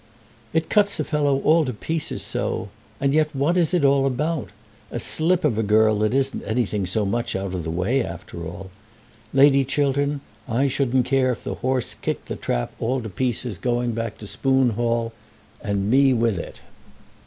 "It cuts a fellow all to pieces so! And yet what is it all about? A slip of a girl that isn't anything so very much out of the way after all. Lady Chiltern, I shouldn't care if the horse kicked the trap all to pieces going back to Spoon Hall, and me with it."